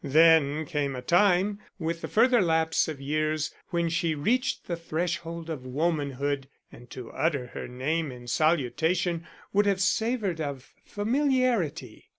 Then came a time with the further lapse of years when she reached the threshold of womanhood, and to utter her name in salutation would have savoured of familiarity.